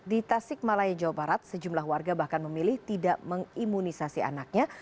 di tasik malaya jawa barat sejumlah warga bahkan memilih tidak mengimunisasi anaknya